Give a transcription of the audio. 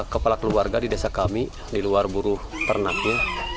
kepala keluarga di desa kami di luar buruh ternaknya